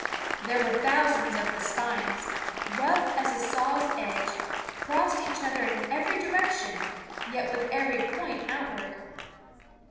There were thousands of the spines, rough as a saw's edge, crossing each other in every direc tion, yet with every point outward.